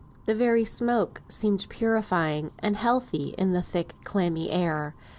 The very smoke seemed purifying and healthy in the thick clammy air.